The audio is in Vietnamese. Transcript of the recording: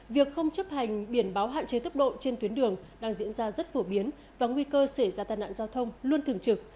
việc không chấp hành biển báo hạn chế tốc độ trên tuyến đường đang diễn ra rất phổ biến và nguy cơ xảy ra tai nạn giao thông luôn thường trực